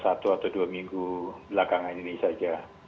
satu atau dua minggu belakangan ini saja